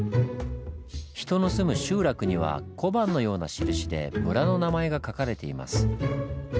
人の住む集落には小判のような印で村の名前が書かれています。